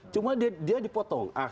cuma dia dipotong